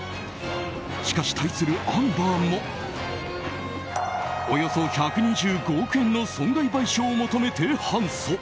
しかし、対するアンバーもおよそ１２５億円の損害賠償を求めて反訴。